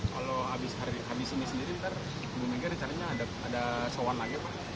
kalau habis hari ini sendiri ntar ibu mega recananya ada sawan lagi pak